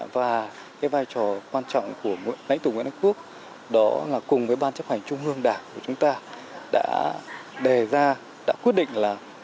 và cái vai trò quan trọng của lãnh thủ nguyễn ân quốc đó là cùng với ban chấp hành trung ương đảng của chúng ta đã đề ra đã quyết định là